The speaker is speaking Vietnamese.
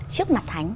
trước mặt thánh